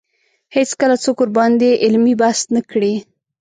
هېڅکله څوک ورباندې علمي بحث نه کړي